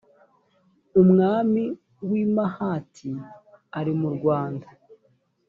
umwami w i hamati ari murwanda